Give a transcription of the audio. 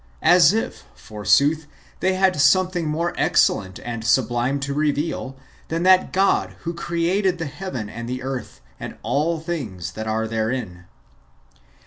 [Book i. if, forsooth, tliey had something more excellent and sublime to reveal, than that God Avho created the heaven and the earth, and all things that are therein.